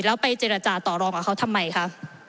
แล้วไปเจรจาต่อรองกับเขาทำไมคะ